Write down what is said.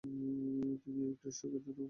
তিনি একটি স্ট্রোকের কারণে মারা যান।